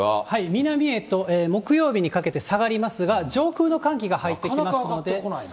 南へと木曜日にかけて下がりますが、上空の寒気が入ってきまなかなか上がってこないな。